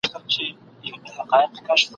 پر وزر یمه ویشتلی آشیانې چي هېر مي نه کې ..